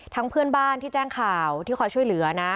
ทั้งเพื่อนบ้านที่แจ้งข่าวที่คตช่วยเหลือ